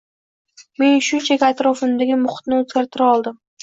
Men shunchaki atrofimdagi muhitni o’zgartira oldim.